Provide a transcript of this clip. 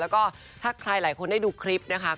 แล้วก็ถ้าใครหลายคนได้ดูคลิปนะคะ